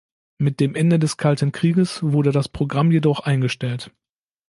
Mit dem Ende des Kalten Krieges wurde das Programm jedoch eingestellt.